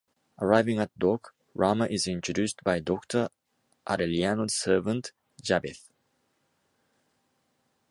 Arriving at dock, Rhama is introduced by Doctor Areliano's servant, Jabez.